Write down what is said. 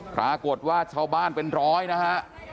ปรากฏว่าชาวบ้านเป็นร้อยนะฮะ